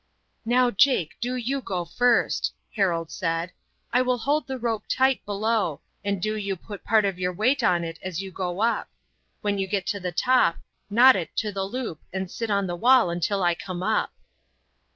"Now, Jake, do you go first," Harold said. "I will hold the rope tight below, and do you put part of your weight on it as you go up. When you get to the top, knot it to the loop and sit on the wall until I come up."